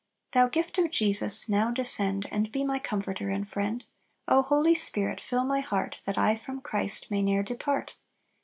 "Thou gift of Jesus, now descend, And be my Comforter and Friend; O Holy Spirit, fill my heart, That I from Christ may ne'er depart!